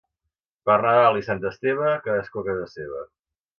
Per Nadal i Sant Esteve, cadascú a casa seva.